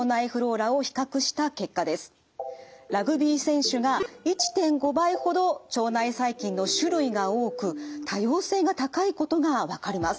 ラグビー選手が１．５倍ほど腸内細菌の種類が多く多様性が高いことが分かります。